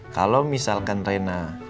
kalau misalkan rena